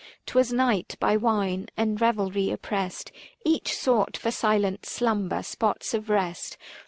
450 'Twas night, by wine and revelry oppressed, Each sought for silent slumber spots of rest.